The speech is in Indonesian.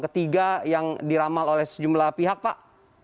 ketiga yang diramal oleh sejumlah pihak pak